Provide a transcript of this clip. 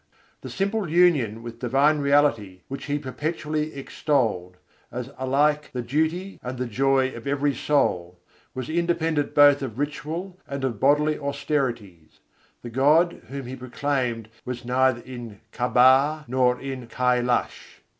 The "simple union" with Divine Reality which he perpetually extolled, as alike the duty and the joy of every soul, was independent both of ritual and of bodily austerities; the God whom he proclaimed was "neither in Kaaba nor in Kailâsh."